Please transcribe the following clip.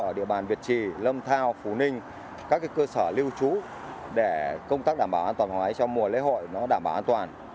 ở địa bàn việt trì lâm thao phú ninh các cơ sở lưu trú để công tác đảm bảo an toàn phòng án cháy trong mùa lễ hội đảm bảo an toàn